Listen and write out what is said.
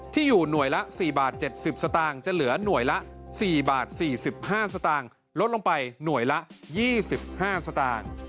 ที่อยู่หน่วยละ๔บาท๗๐สตางค์จะเหลือหน่วยละ๔บาท๔๕สตางค์ลดลงไปหน่วยละ๒๕สตางค์